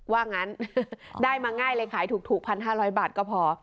ว่างั้นได้มาง่ายเลยขายถูก๑๕๐๐บาทก็พอ